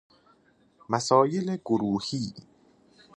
مسایل گرهی